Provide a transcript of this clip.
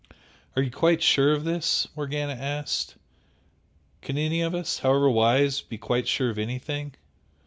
"Are you quite sure of this?" Morgana asked "Can any of us, however wise, be quite sure of anything?"